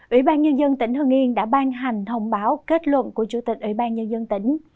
ủy ban nhân dân tỉnh hưng yên đã ban hành thông báo kết luận của chủ tịch ủy ban nhân dân tỉnh